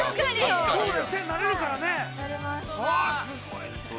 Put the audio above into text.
◆千になれるからね。